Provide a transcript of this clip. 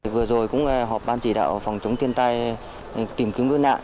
vừa rồi cũng họp ban chỉ đạo phòng chống thiên tai tìm kiếm cứu nạn